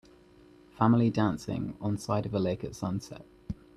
Family dancing on side of a lake at sunset.